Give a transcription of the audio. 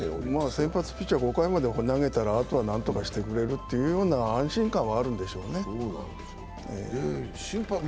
先発ピッチャー５回まで投げたらあとは何とかしてくれる安心感があるんでしょうね。